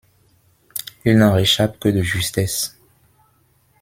Il n'en réchappe que de justesse.